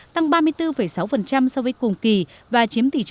tăng ba mươi bốn sáu so với cùng kỳ và chiếm tỷ trọng